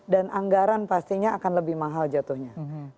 dan anggaran pastinya akan lebih mahal jatuhnya